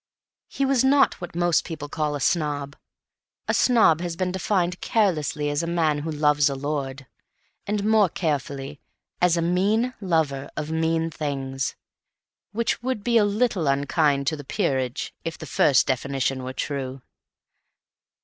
He was not what most people call a snob. A snob has been defined carelessly as a man who loves a lord; and, more carefully, as a mean lover of mean things—which would be a little unkind to the peerage if the first definition were true.